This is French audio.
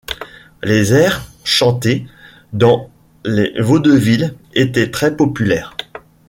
Les airs chantés dans les vaudevilles étaient très populaires.